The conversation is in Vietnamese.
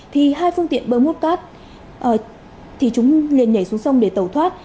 thì hai phương tiện bơm hút cát thì chúng liền nhảy xuống sông để tẩu thoát